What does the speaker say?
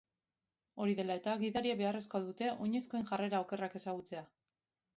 Hori dela eta gidariek beharrezkoa dute oinezkoen jarrera okerrak ezagutzea.